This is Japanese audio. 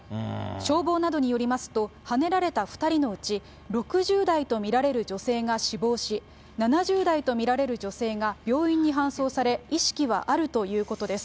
消防などによりますと、はねられた２人のうち６０代と見られる女性が死亡し、７０代と見られる女性が病院に搬送され、意識はあるということです。